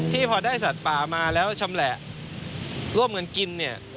ที่พอได้สัตว์ป่ามาแล้วชำแหละร่วมกันกิน